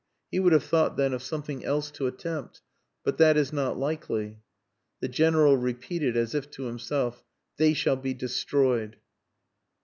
He would have thought then of something else to attempt. But that is not likely." The General repeated as if to himself, "They shall be destroyed."